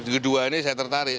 kedua ini saya tertarik